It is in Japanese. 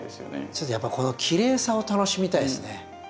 ちょっとやっぱこのきれいさを楽しみたいですね。